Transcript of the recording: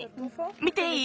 見ていい？